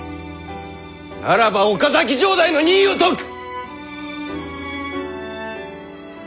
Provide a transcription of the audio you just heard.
ならば岡崎城代の任を解く！